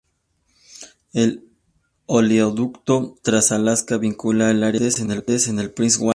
El oleoducto Trans-Alaska vincula el área con Valdez, en el Prince William Sound.